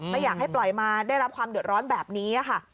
ไม่อยากให้ปล่อยมาได้รับความเดือดร้อนแบบนี้ค่ะ